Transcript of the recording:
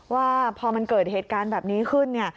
ว่าพอมันเกิดเหตุการณ์แบบนี้ขึ้นเนี่ย